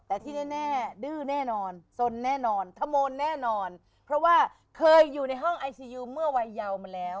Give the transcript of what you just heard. แต่ที่แน่ดื้อแน่นอนสนแน่นอนขโมนแน่นอนเพราะว่าเคยอยู่ในห้องไอซียูเมื่อวัยเยาวมาแล้ว